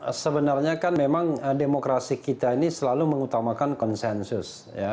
ya sebenarnya kan memang demokrasi kita ini selalu mengutamakan konsensus